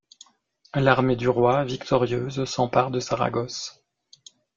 L’armée du roi, victorieuse, s’empare de Saragosse.